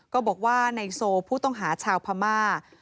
ก็บอกว่าในโซผู้ต้องหาชาวพม่า